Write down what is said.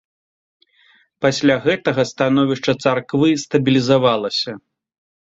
Пасля гэтага становішча царквы стабілізавалася.